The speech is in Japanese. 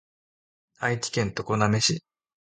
愛知県常滑市